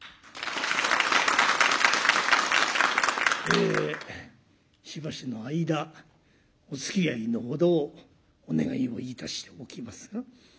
えしばしの間おつきあいのほどをお願いをいたしておきますな。